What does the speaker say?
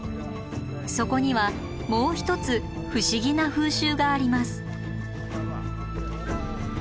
そこにはもう一つ不思議な風習があります。